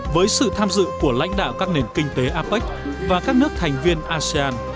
với sự tham dự của lãnh đạo các nền kinh tế apec và các nước thành viên asean